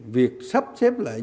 việc sắp xếp lợi